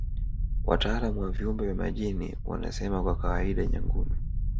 Wataalamu wa viumbe vya majini wanasema kwa kawaida Nyangumi